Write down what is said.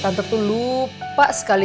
tante tuh lupa sekali